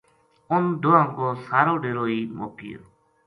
اُنھ دواں کو سارو ڈیرو ہی مُک گیو